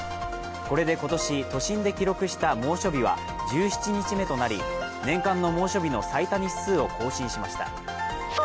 これで今年都心で記録した猛暑日は１７日目となり年間の猛暑日の最多日数を更新しました。